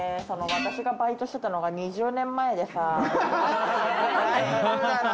私がバイトしてたのは２０年前でさ。